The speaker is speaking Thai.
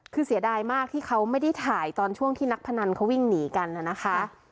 คือเสียดายมากที่เขาไม่ได้ถ่ายตอนช่วงที่นักพนันเขาวิ่งหนีกันนะคะ